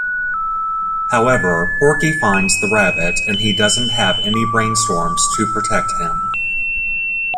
However Porky finds the rabbit and he doesn't have any brainstorms to protect him.